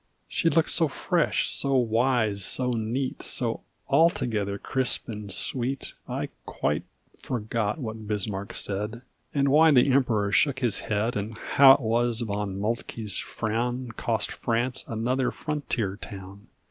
She looked so fresh, so wise, so neat, So altogether crisp and sweet, I quite forgot what Bismarck said, And why the Emperor shook his head, And how it was Von Moltke's frown Cost France another frontier town.